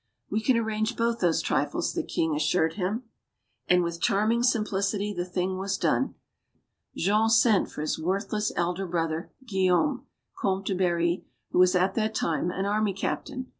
"We can arrange both those trifles," the king as sured him. And, with charming simplicity, the thing was done. Jean sent for his worthless elder brother, Guillaume, Comte du Barry, who was at that time an army cap tain.